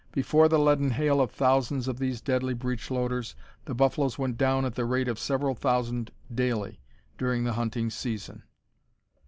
Before the leaden hail of thousands of these deadly breech loaders the buffaloes went down at the rate of several thousand daily during the hunting season.